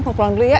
mau pulang dulu ya